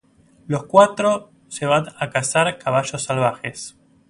Los cuatro se van a cazar caballos salvajes.